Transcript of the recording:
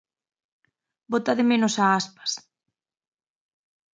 Bota de menos a Aspas.